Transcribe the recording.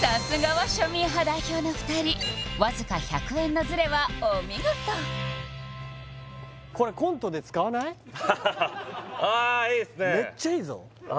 さすがは庶民派代表の２人わずか１００円のズレはお見事メッチャいいぞああ